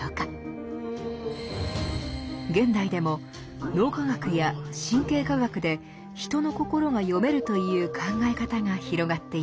現代でも脳科学や神経科学で人の心が読めるという考え方が広がっています。